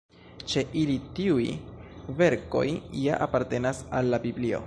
Ĉe ili tiuj verkoj ja apartenas al la Biblio.